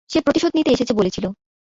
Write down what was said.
সে প্রতিশোধ নিতে এসেছে বলেছিল।